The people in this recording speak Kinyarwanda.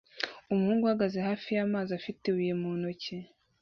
Umuhungu ahagaze hafi y'amazi afite ibuye mu ntoki